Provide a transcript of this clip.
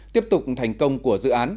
tiếp tục thành công của dự án